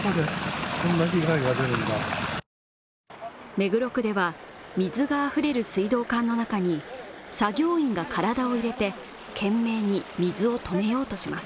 目黒区では水があふれる水道管の中に作業員が体を入れて懸命に水を止めようとします